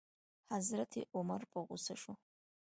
حضرت عمر په غوسه شو.